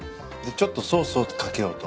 ちょっとソースを掛けようと。